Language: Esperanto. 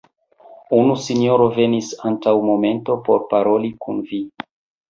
Unu sinjoro venis antaŭ momento por paroli kun vi.